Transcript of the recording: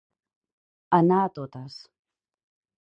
Anar a totes.